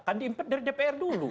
kan di impeach dari dpr dulu